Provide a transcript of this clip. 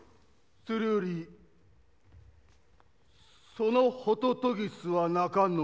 それよりそのホトトギスは鳴かんのか？